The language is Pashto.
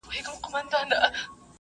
زه باید منډه ووهم!.